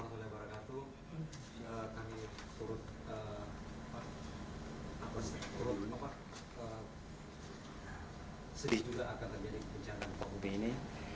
sedih juga akan terjadi gempa bumi ini